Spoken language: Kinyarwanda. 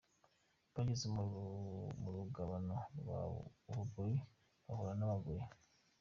Bageze mu rugabano rwa Bugoyi, bahura n’Abagoyi.